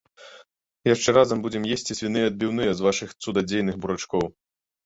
Яшчэ разам будзем есці свіныя адбіўныя з вашых цудадзейных бурачкоў.